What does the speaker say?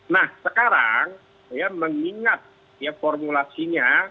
nah sekarang ya mengingat ya formulasinya